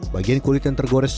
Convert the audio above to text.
bagian kulit yang tergores